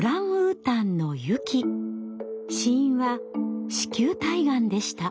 死因は子宮体がんでした。